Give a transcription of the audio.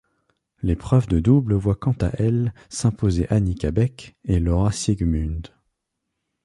L'épreuve de double voit quant à elle s'imposer Annika Beck et Laura Siegemund.